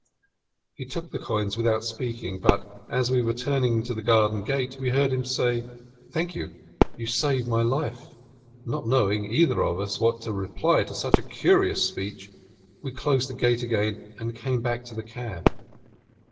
He took the coins without speaking; but, as we were turning into the garden gate, we heard him say: "Thank you; you've saved my life." Not knowing, either of us, what to reply to such a curious speech, we closed the gate again and came back to the cab.